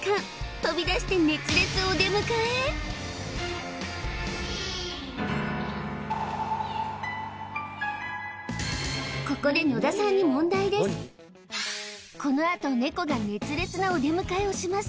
飛び出してここでこのあとネコが熱烈なお出迎えをします